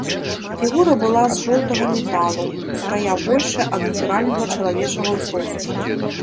Фігура была з жоўтага металу, утрая большая ад натуральнага чалавечага ўзросту.